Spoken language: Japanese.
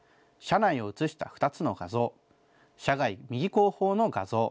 車内を映した２つの画像。